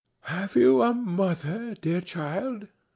"Have you a mother, dear child?"